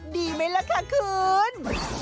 ดีไหมล่ะค่ะคุณ